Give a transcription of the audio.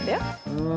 うん。